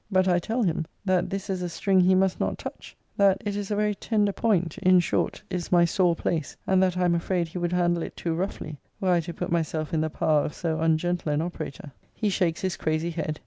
But I tell him, that this is a string he must not touch: that it is a very tender point: in short, is my sore place; and that I am afraid he would handle it too roughly, were I to put myself in the power of so ungentle an operator. He shakes his crazy head.